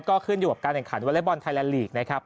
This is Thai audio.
ก็ขึ้นอยู่กับการแข่งขันวอเล็กบอลไทยแลนดลีกนะครับ